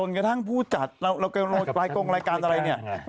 จนกระทั่งผู้จัดเรากำลังไปกลายกลงรายการอะไรเนี่ย